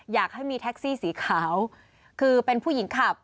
อยากให้มีแท็กซี่สีขาวคือเป็นผู้หญิงขับ